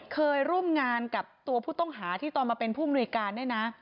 เคยร่วมงานกับตัวผู้ต้องหาที่ตอนมาเป็นผู้มนุยการเนี่ยนะ